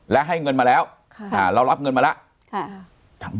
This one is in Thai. และให้เงินมาแล้วเรารับเงินมาแล้ว